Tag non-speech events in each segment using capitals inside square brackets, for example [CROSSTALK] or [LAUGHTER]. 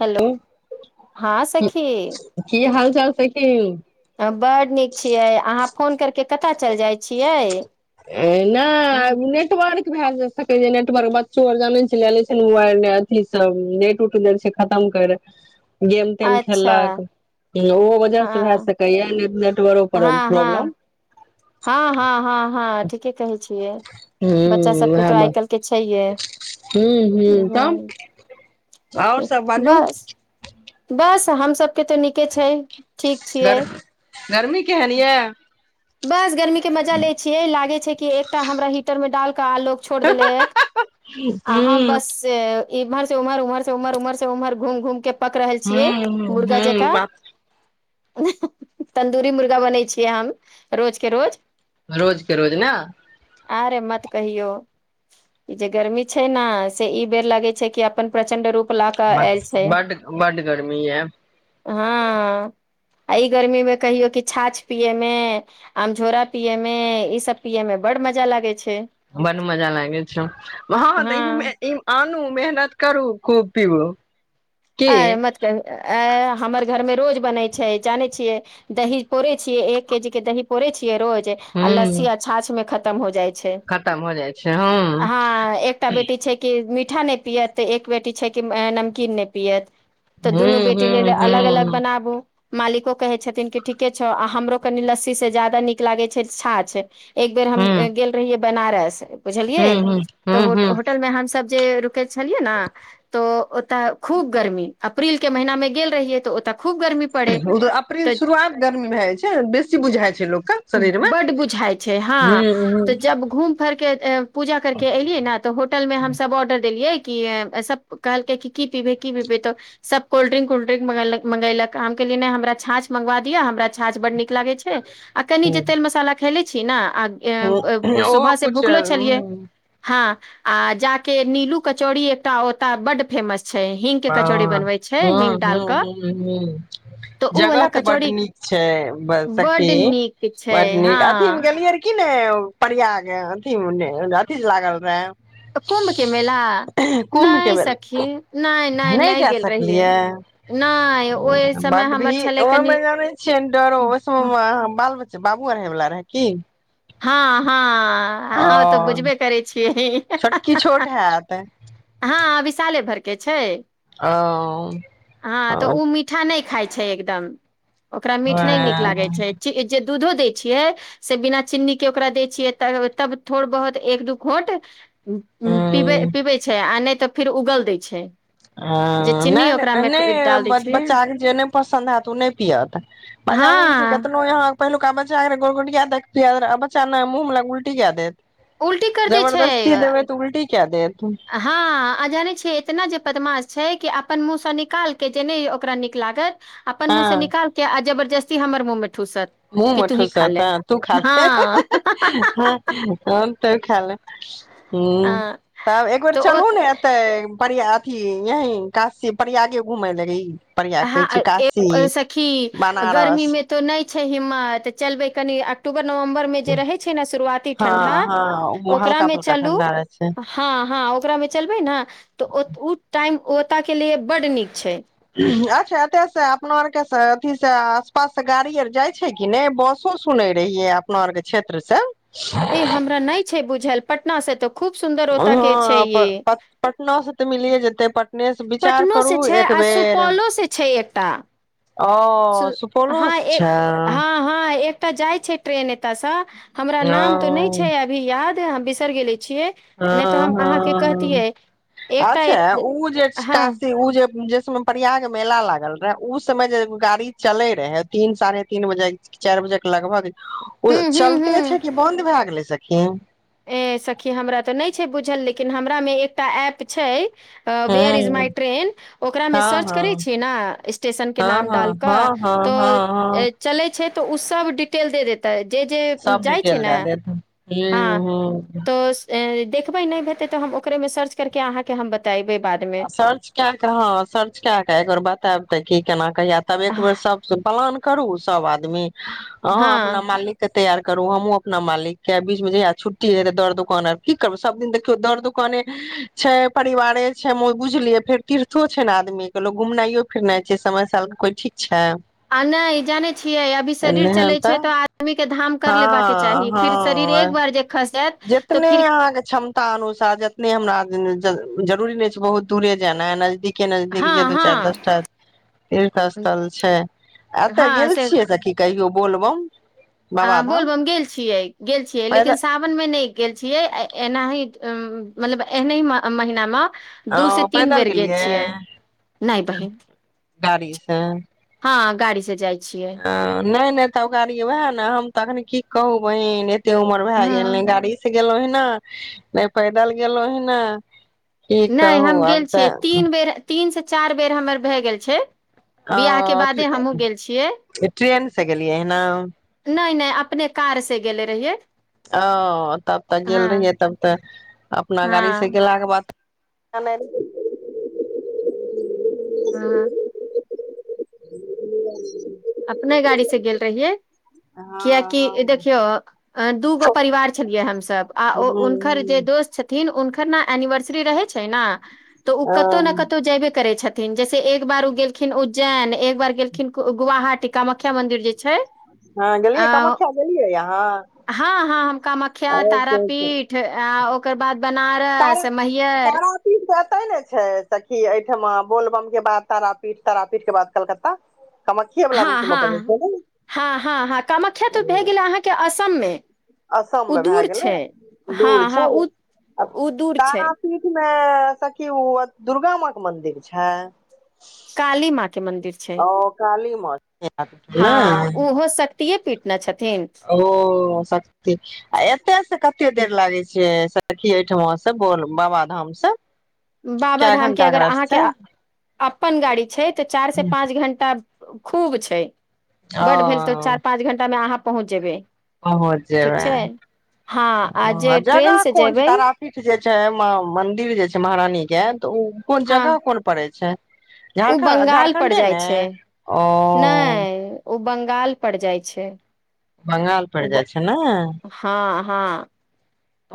hello हँ सखी कि हाल चाल से कि बड नीक छीिये अहााँ फोन कर के कत चल जाय छी अ नहि हूँ, ओ नेटवर्क भए जा सक जे नेटवर्क बच्चो आर जाने छै ले छै ने मोबाइल अथी से नेट उट दे छै खतम कर गेम तेम अच्छा खेललक ओहो हँ वजह से भए सकैया हँ प्रॉब्लम हँ [UNINTELLIGIBLE] हँ हँ हँ हँ ठीके क कहै छियै बच्चा सबके तो आइ काल्हि के छैहे ह ह तब आओर सब बाजू बस बस हम सबके तऽ नीके छै ठीक छियै गर गर्मी केहन यऽ बस गर्मी के मजा लै छियै लागे छै कि एकटा हमरा हीटर में डालक आग छोड़ देलै आ हूँ हम बस इमहर से उमहर उमहर से उमहर उमहर उमहर घम घम के पक रहल छियै हूँ हूँ मुर्गा हूँ जका बात तन्दूरी मुर्गा बनै छियै हम रोजके रोज रोजके रोज ने आरे मत कहियो ई जे गर्मी छै ने से ई बेर लगे छै कि अपन प्रचंड रूप ला क आयल छै बड्ड बड्ड गर्मी य हँ आ ई गर्मी मे कहियो कि छाछ पियेमे आम झोरा पियए मे ई सब पियए मे बड मजा लागे छै बड मजा लागे छै हाँ हँ तऽ आन मेहनत करू खूब पीव आ मत कहुं हमर घर में रोज बनैत छै जानै छियै दही पोरे छियै एक केजी के दही पोरे छियै रोज आ ह लस्सी अच्छाछ में खतम हो जाइ छै खतम हो जाइ छै हँ एकटा बेटी छै कि मीठा नहि पियअत तऽ एक बेटी छै कि नमकीन नहि पियत तऽ हू दुनू बेटी लेल हू अलग अलग हू बनाबू मालिको कहे छथिन कि ठीके छौ आ हमरो कनि लस्सी से ज्यदाा नीक लागै छै्छा छै एक बेेर हू हम गेल रहियै बनारस हू बुझलियए हू हू तऽ हू होटल में हम सब जे के छलियै ने तऽ ओतऽ खूब गर्मी अप्रील के महिीना मे गेल रहियै तऽ ओत खूब गर्मी पड़े ओ तऽ अप्रील शुरुआत गर्मी भए जाइ छै बेसी बुझाइ छै लोकके शरीरमे बड्ड बुझाइ हँ तऽ जब घूम फिरके पूजा करके एलियै ने तऽ होटल मे हम सब ऑर्डर देलियै कि सब कहलकै कि की पीबेै की पीबे तऽ सब कोल्ड्रिंक कल्ड्रिकंग मंगगे लक आम के लि हमरा छांछ मंगा दिय हमरा छांछ बड नीक लागे छै आ कनि हूँ जे तेल मसाला खेले छी ने आ अ ओहो सुबह से कुछ भुखलो छलियै हँ आ जाक नीलू कचौड़ी एकटा ओता बड फेमस छै हींग के ह कचौड़ी हँ बनबै छै हँ हींग डाल हँ कऽ हँ तऽ ओ वाला जगह तऽ बड़ कचौड़ी नीक छै ब सखी बड्ड नीक छै बड नीक अथी हँ में गेलियै कि ने प्रयाग अथी अथी लागल रहे कुम्भ के मेला कुम्भ के नहि बेर सखी नहि नहि नहि जा गेल रहियै सकलियै नहि ओहि समय हमर छलै कनी छिय डरो ओहि सम मे बाल बच्चा बाबू आ होए वाला रहै की हाँ हाँ अहाँ ओ तऽ बुझबे करै छियै छोटकी छोट हेत हँ विशाले भर के छै ओ ह तऽ ओ मि ख छै ओरा मठ न ल जे दुधो दै छियै से बिना चीन्नी के ओकरा दै छियै तब थोड़ बहुत एक दू खोट पीबै पीबै छै आ नहि तऽ फेर उगल दै छै जे ह चीनी नहि नहि ओकरामे डाल दै नहि छियै बच्चा के जे नहि पसन्द हेत ओ नहि पियअत पजा लऽ छै हँ केतनो अहाँ पहिलुका बच्चा गोल गुटिया दे पिया बच्चा मुह ल उल्टीकेए देत उल्टी कर दै जबरदस्ती देबै तऽ उल्टी क्या दे तू हाँ आ जानै छियै एतना जे बदमाश छै कि अपन मुँह सँ निकाल के जे नहि ओकरा नीक लागत अपन हँ मुँह से निकाल के आ जबरदस्ती हमर मुँहं ठूसत मुहँ कि में तूही खा ठुसत ले हां तु खा ले तहन हँ तब खा लेब एक बेर तऽ ओ चलू ने तऽ पर अही यही काश से प्रयाग घूमय लगे हँ सखी बनारस गर्मी मे [UNINTELLIGIBLE] तो नहि छै हि्म तऽ चलबे कनि अक्टूबर नवम्बर जे रहै छै ने शुरुआती हँ ठणडा हँ हल्का ओकरामे फुल्का चलू ठंडा रहे छै हँ हँ ओकरा मे चलबै ने तऽ ओ टाइम ओतय के लिए बड नीक छै अच्छा एतऽ से अपना के अथी से आसपास गाड़ी जाइ छै कि नहि बसो सुनने रहियै अपना आर के क्षेत्र से ए हमरा नहि छै बुझल पटना से त हऽ पटना से तऽ मिलिए जेते पटने से विचार पटनो से करू छै एक आ बेर सुपौलो से छै एकटा ओ सु सुपौलो हँ स एक छै हँ हँ एक्टा जाइ छै ट्रेन एतय सँ हमरा नाम तो न ओ छै अभी याद ह हम बिसर गेले छिये हँ हँ हँ एकटा अच्छा ए- ओ जे हँ काशी ओ जे जेस प्रयाग मेला लागल रहे ओ समय जे गाड़ी चले रहे तीन साढ़े तीन बजे चारि बजे के लगभग ओ हूँ हूँ चलते हूँ छै कि बन्द भए गेलै सखी ए सखी हमरा तऽ नहि छै बुझल लेकिन हमरा मे एकटा एफ छै वेयर इज हँ माइ ट्रेन ओकरा में सर्च करैत हँ छियै ने स्टेशन के हँ नाम डालि हँ कऽ हँ हँ हँ तऽ हँ चलै छै तऽ ओ सब डिटेल दे देतै जे जे जाई छै ने हँ हू ह तऽ देखबै नहि हेतै तऽ हम ओकरे मे सर्च करके आहाँ के हम बतेबै बादमे सर्च के के ह सर्च के के एकबेर बताब ते की केना कहिया तब एकबेर आह, सबस प्लान करू सब आदमी अहाँ अपना हँ मालिक के तैयार करू हम हुँ अपना मालिक के बीच में जहिआ छुट्टी है तऽ दर् दुकान आर कऽ करै सब दिन देखियौ दर् दुकान कोने छै परिवारे ओ बुझलियै फेर तीर्थो छै ने आदमी के लो घुमनाइयो फिरनाइ छै समय साल के कोइ ठीक छै आ नै जाने छियै अभी शरीर चले छै तऽ आदमी के धाम कर लेबाक के हँ चाही फिर शरीर एक बार जे खसत जितने आहाँके क्षमता अनुसार जतने हमरा जरुररी नहि छै बहुत दूरे जेाना है नजदीक के नजदीक हँ जे दू चारि दस हँ टा तीर्थ स्थल छै एतऽ हँ गेल से छियै कहियो बोलबम अ बाबाधाम बोलबम गेल छियै गेल छियै लेकिन पैदल मे नहि गेल छीये एनाही मतलब एना महिना मे [UNINTELLIGIBLE] दू से ओ तीन बेर पैदल गेल गेलियै छियै नहि बहिन गाड़ी से हाँ गाड़ी से जाई छियै नहि नहि तब गाड़ी वएह ने हम तऽ अखनी की कहू बहिन एते उमर भए ह गेल ने गाड़ी से गेलहुँ ह ने नहि पैदल गेलहु ह ने की नहि कहू हम गेल आब छियै तऽ तीन बेर तीन से चारि बेर हमर भए गेल छै आ बियाह के बादे हमहुँ गेल छियै ट्रेन से गेलियै हम [UNINTELLIGIBLE] नै नै अपने कार से गेले रहियै ओ तब तऽ गेल हँ रहिये तब तऽ अपना गाड़ी से हँ गेलाक के बाद आ [UNINTELLIGIBLE] हँ [UNINTELLIGIBLE] अपने गाड़ी से गेल रहियै कियाकि हँ देखियौ दूगो परिवार छलियै हमसभ आ ह हुनकर जे दोस्त छथि न हुनकर ने एनिवर्सरी रहै छै ने तऽ ओ कतौ ने कतौ जेबे करै छथिन [UNINTELLIGIBLE] जैसे एक बार उ गेलखिन उज्जैन एक बार गेलखिन कु गुहाटी कामख्या मंदिर जे छै हँ गेलियै आ कामख्या गेलियै हँ हँ हम कामख्या अहाँ तारापीठ आ ओकर बाद बनारस मैहर पीठ तऽ एते ने छै सखी एहिठमा बोलबम के बाद तारापीठ तारापीठ के बाद कलकत्ता कामाख्ये वाला हा रूट मे हा पड़ै छै ने हा हा हा कामाख्या तऽ भए गेलै अहाँ के असम में असम उ मे भए दूर गेलै छै हँ दूर हँ ओ उ दूर छै पीठ मे सखी ओ दुर्गा मा के मंदिर छै काली माँ के मंदिर छै हाँ काली माँ एतय पीटने छथिन ओ सक्ती आ एतय से कते देर लागै छै सखी ओहिठमा से बो बाबाधाम से कै बाबाधाम के घंटा अगर अहाँके रास्ता अपन गाड़ी छै तऽ चारि से छै पाँच घण्टा खूब छै बड भेल तऽ ओ चारि पाँच घं्टामे अहाँ पहुँच जेबै ओ ठीक जेबए छै हँ आ जे ट्रेन जगह से कोन छै जेबै तारा पीठ जे छै मंदिर जे छै महारानी के तऽ ओ कोन हँ जगह कोन पड़ै छै ओ झारखणड बंगाल पड़ झारखण्डे जाइ ने छै ओ नहि ओ बंगाल पर जाइ छै बंगाल पड़ ओ जाइ छै ने हँ हँ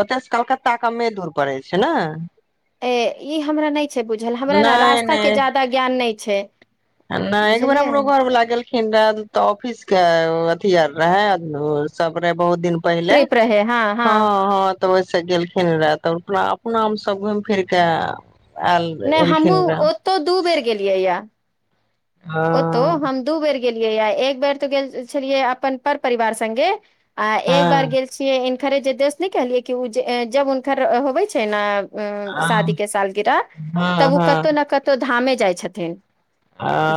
ओतयसँ कलकत्ता कमे दूर पड़ै छै ने ए ई हमरा नहि छै बुझल हमरा ने नहि रास्ता के नहि जाददा ज्ञान नहि छै नहि एक बेार बुझलियै हमर घर लागल िन तऽ ऑफिस के अथी आर रह है सब रहे बहुत दिन पहिले हँ हँ तऽ ओ सजेलखिन रै तऽ अपना अपनामे सब घुमि फिरके ऐ नहि हमहूँ ओतो दू बेर गेलियै यए हँ ओतो हम दू बेर गेलियै एक बेर तो गेल छलियै अपन पर परिवार संगे आ एक बार हँ गेल छियै इनखरे जे दश नहि कहलियै कि जब हुनकर होबे छै ने उ हँ शादी के सालगिराह हँ तब ओ हँ कतो ना कतो धामे जाइ छथिन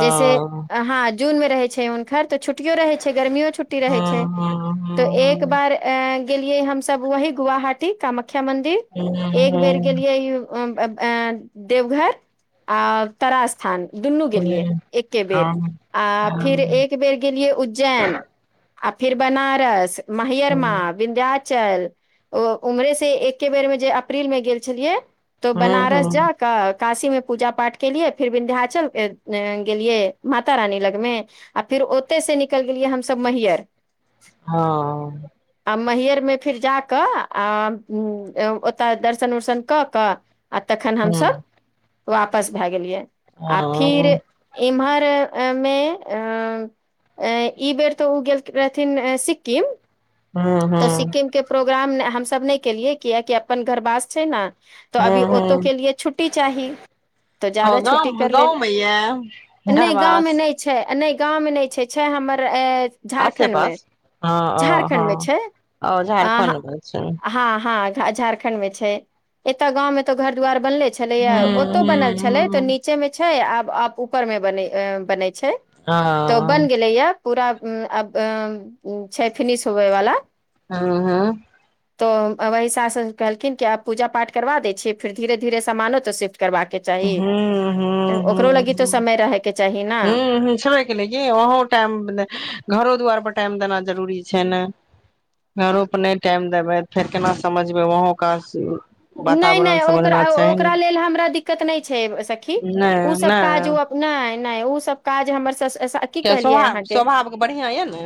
जैसे हँ जून मे रहै छै हुनकर तऽ छुटियो रहै छै गर्मियो छुट्टी हँ रहै छै हँ हँ त एक हँ बार ऐ गेलियै हमसब वही गुहहाटी कामख्या हँ हँ हँ मंदिर एक बेर हँ गेलियैयु देवघर आ तरा स्थान दुनू हँ हँ गेलियै हँ एके बेर आ हँ हँ फिर एक बेर गेलियै उज्जैन आ फिर बनारस महिर हँ माग विन्ध्याचल ओ उम्रे से एके बेर मे जे अप्रील मे गेल छलियै तो हँ बनारस हँ जा कऽ काशीमे पूजा पाठ केलियै फिर विन्ध्याचल गेलियै माता रानी लगमे आ फिर ओतय से निकबेलिए गेलियै हमसब महियर हँ आ महरमे फिर जा कऽ आ ओता दर्शन उर्शन कऽ कऽ आ तखन हमसब वापस भै गेलियै आ फिर हँ इम्हरमे अ अ ई बेर तऽ ओ गेल रहथिन सिक्किम हँ तऽ सिक्किमके प्रोग्राम हमसब नहि केलियै कियकि अपन घरवास छै ने तऽ हँ अभी हँ ओऔतो के लिए छुट्टी चाही तऽ ओ जादा छुट्टी गाम कर लेल गाँवमे यए नहि गाँव मे घरवास नहि छै नहि गाँवमे नहि छै छै हमर अ आसे झारखण्डमे पास हँ ओ झारखण्डमे हँ छै ओ अ झारखण्ड मे छै हँ हँ झारखण्ड खंड मे छै एतय गाँंव मे तो घर दुआर बनले छलेया हूँ ओतौ बनल हूँ छले तो हूँ नी बीचे मे छै आबअप ऊपर मे बने बने छै तऽ ओ बन गेले या पूरा अब छै फिनिश होबे वाला हँ हँ तो वही सासन कहलखिन कि आब पूजा पाठ कराबा देै छीयै फिर धीरे धीरे सामानो तऽ शिफ्ट करबाके हूँ चाही हूँ ओकरो लगी तो समय रहैके चाही ने ह सभ [INAUDIBLE] ल वहहो टाइम घरो दुआर पर टाइम देना जरूरी छै ने घरो पर नहि टाइम देबै फेर केना समझबै वहों कासी नहि नहि ओकरा ओकरा लेल हमरा दिक्कत नहि छै सखी नहि ओसब काज नहि ओ नहि नहि उ सब काज हमर ससुर सा की किया कहलियै स्वभाव अहाँके स्वभाव के बढ़ियां ये ने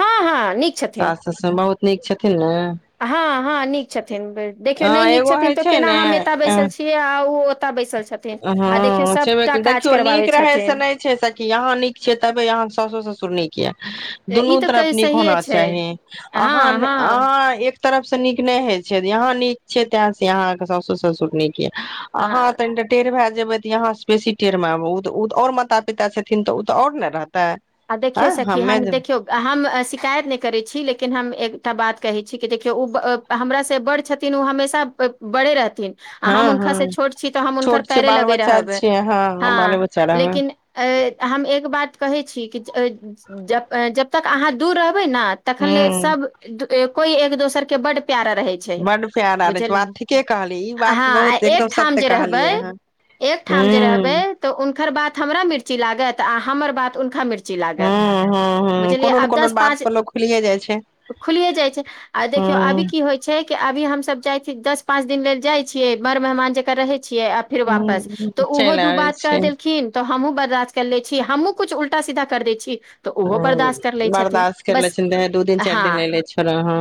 हँ हँ नीक छथिन समबहुत नीक छथिन ने हँ हँ नीक छथिन देखियौ नहि हँ नीक एगो छथिन होइ तऽ छै केना ने हम एता बैसल अ- छी ए आ उ ओतऽ बैसल छथि हँ देखियौ नीक रहै से छथिन नहि छेत की अहा नीक छीयै तबे अहाँ सासुर ससुर नीक ई दुनू तऽ तरफ क नीक सहिए होना छै चाही अहाँ हँ हँ अहाँ तरफ से नीक नहि होय छै यहाँ नीक छै तें से यहाँ सासुर ससुर नीक य अहाँ हँ कनिटा टेढ़ भए जेबै तऽ यहां से बेसी टेढ़ मे उ त उ त और माता पिता छथिन तऽ उ तऽ ओर ने रहते आ देखियौ सखी हाम देखियौ हम शिकायत नहि करैत छी लेकिन हम एकटा बात कहैत छी कि देखियौ ओ ‌त हमरा से बड़ छथिन ओ हमेशा बड़े रहथिन आ हम हँ हँ हुनकासँ छोट छी तऽ हम हुनकर छोट छियै पैरे बाल लगे बच्चा रहबै छियै हँ बाले बच्चा रहबै लेकिन अ हम एक बात कहै छी कि ज जब तक अहाँ दूर रहबे ने तखन ले ह सब कोई एक दोसर के बड प्यारा रहे छै छै बड प्यार आर बुझ‌‌ छै बात ठीके कहलियै ई अ बात हां बहुत एकदम एक ठाम सत्य जे कहलियै रहबय अहाँ एकठाम जे रहबै ह तऽ उनकर बात हमरा मिर्ची लागत आ हमर बात हुनका मिर्ची चि ह लागत के ह ह बुझलियै कोनो ने आब कोनो दस बात पाँच पर लोक खुलिये जाइ छै खुलिये जाइ छै आ देखियौ ह अभी की होइ छै छै कि अभी हमसब जाइ छीय दश पाँच दिन लेल जाइ छियै बड़ मेहमान जका रहै छियै आब फेर वापस ह त ओहो चलि दू आबै बात क छी ह देलखिन तऽ हमहुँ बर्दास्त कर ले छी हमहूँ कु उल्टा सीधा कर दै छीय तऽ ओहो बर्दाश्त कर लै छथिन बर्दाश्त करि लै बस छै दू दिन चारि हँ दिन एले छोड़ो हँ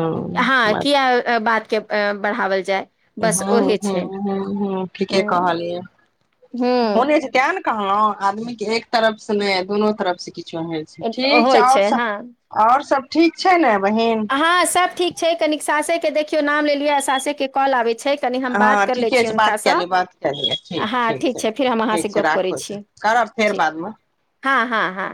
हँ बात किया अ बात के अ बढ़ावल जाय हू बस ओहे हू छै ह हू ठीके कहलियै ह होने छै तै ने कहलहु आदमी के एक तरफ से ने दुनू तरफ से किछो हे ठीक होइ छै ओर हँ सब ओर सब ठीक छै ने बहिन हँ सब ठीक छै कनी सासे के देखियौ नाम लेलियै आ सासे के कॉल आबै छै कनि हम बात हँ कर लै ठीके छियै छै बात के हुनकासँ लिय बात के लियै ठीक हँ ठीक छै फेर हम अहाँ से ठीक छै गप करै राखो से छी करब फेर ठीक बादमे हँ हँ हँ